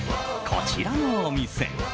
こちらのお店。